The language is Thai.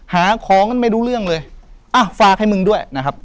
หาของกันไม่รู้เรื่องเลยอ่ะฝากให้มึงด้วยนะครับ